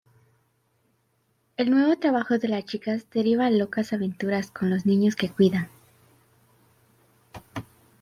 El nuevo trabajo de las chicas deriva locas aventuras con los niños que cuidan.